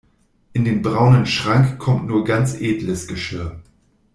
In den braunen Schrank kommt nur ganz edles Geschirr.